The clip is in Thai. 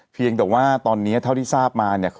เพียงแต่ว่าตอนนี้เท่าที่ทราบมาเนี่ย